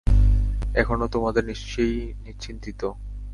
এখনো তোমাদের নিশেই চিন্তিত।